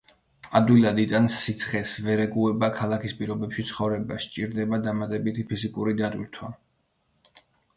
ადვილად იტანს სიცხეს, ვერ ეგუება ქალაქის პირობებში ცხოვრებას, სჭირდება დამატებითი ფიზიკური დატვირთვა.